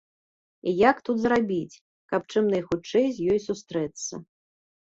І як тут зрабіць, каб чым найхутчэй з ёй сустрэцца?